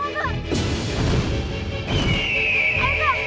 kakak juga gak tau